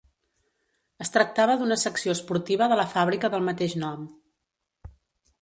Es tractava d'una secció esportiva de la fàbrica del mateix nom.